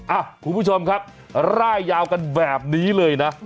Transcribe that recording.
คุณผู้ชมครับร่ายยาวกันแบบนี้เลยนะ